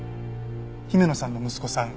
姫野さんの息子さん